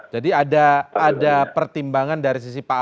jadi ada pertimbangan dari sisi pak aho